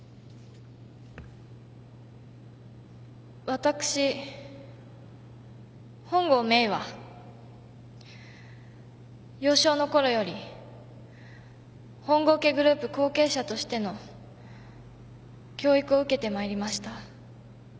・私本郷メイは幼少のころより本郷家グループ後継者としての教育を受けてまいりました。